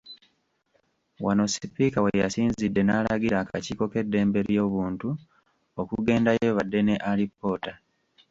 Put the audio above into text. Wano Sipiika we yasinzidde n’alagira akakiiko k’eddembe ly’obuntu okugendayo badde ne alipoota.